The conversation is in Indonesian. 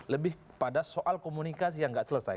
lebih pada soal komunikasi yang tidak selesai